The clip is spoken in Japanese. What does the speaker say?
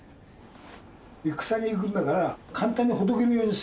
戦に行くんだから簡単にほどけねえようにするっていう感じ。